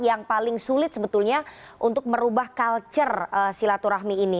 yang paling sulit sebetulnya untuk merubah culture silaturahmi ini